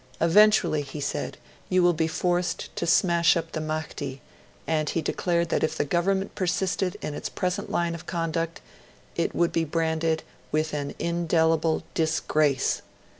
'Eventually,' he said, 'you will be forced to smash up the Mahdi', and he declared that if the Government persisted in its present line of conduct, it would be branded with an 'indelible disgrace'.